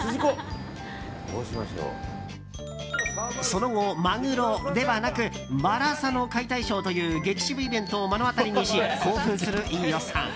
その後、マグロではなくワラサの解体ショーという激渋イベントを目の当たりにし興奮する飯尾さん。